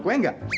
oh ini dia